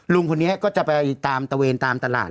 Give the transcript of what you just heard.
ลุงคนนี้ก็จะไปตามตะเวนตามตลาด